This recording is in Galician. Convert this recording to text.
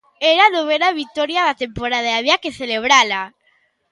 Era a novena vitoria da temporada e había que celebrala.